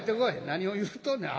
何を言うとんねん。